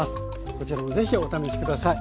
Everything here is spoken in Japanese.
こちらも是非お試し下さい。